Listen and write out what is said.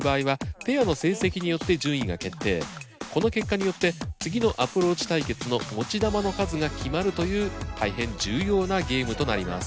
この結果によって次のアプローチ対決の持ち球の数が決まるという大変重要なゲームとなります。